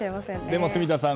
でも住田さん